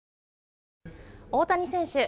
大谷選手